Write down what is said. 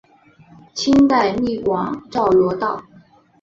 清代隶广肇罗道。